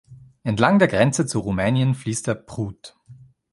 Entlang der Grenze zu Rumänien fließt der Pruth.